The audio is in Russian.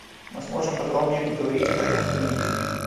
Мы сможем подробнее поговорить об этом в понедельник.